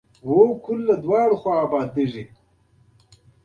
موټر بار وړل هم کوي.